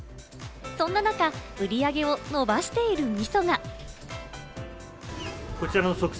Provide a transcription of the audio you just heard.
そんな中、売り上げを伸ばしている、みそが。